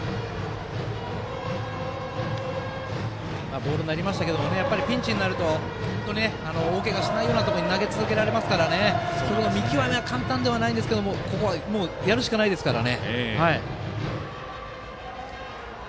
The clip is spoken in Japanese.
ボールになりましたけれどピンチになると大けがをしないところに投げ続けられますのでそこの見極めは簡単ではないですがここはもうやるしかないですから。